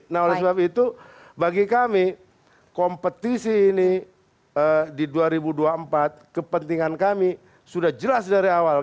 nah oleh sebab itu bagi kami kompetisi ini di dua ribu dua puluh empat kepentingan kami sudah jelas dari awal